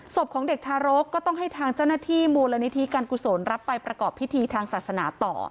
ศพของเด็กทารกก็ต้องให้ทางเจ้าหน้าที่มูลนิธิการกุศลรับไปประกอบพิธีทางศาสนาต่อ